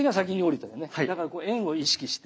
だからこう円を意識して。